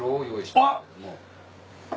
あっ。